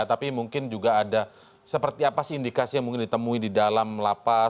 tapi mungkin juga ada seperti apa sih indikasi yang mungkin ditemui di dalam lapas